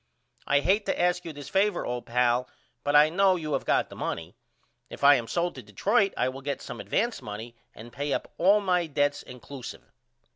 I hate to ask you this favor old pal but I know you have got the money. If I am sold to Detroit I will get some advance money and pay up all my dedts incluseive.